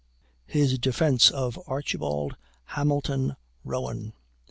HIS DEFENCE OF ARCHIBALD HAMILTON ROWAN.